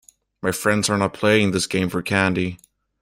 My friends are not playing this game for candy.